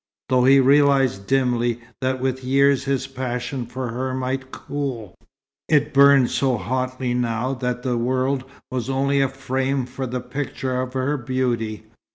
Though he realized dimly that with years his passion for her might cool, it burned so hotly now that the world was only a frame for the picture of her beauty.